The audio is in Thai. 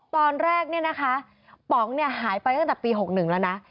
ตอนแรกเนี่ยนะคะป๋องเนี่ยหายไปตั้งแต่ปี๖๑แล้วนะ